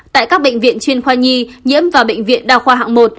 tại các bệnh viện chuyên khoa nhi nhiễm và bệnh viện đa khoa hạng một